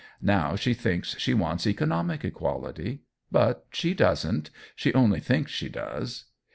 Now she thinks she wants economic equality. But she doesn't; she only thinks she does.